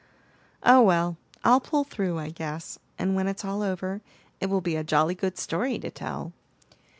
Oh, well! I'll pull through, I guess, and when it's all over, it will be a jolly good story to tell."